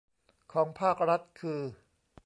ของภาครัฐคือ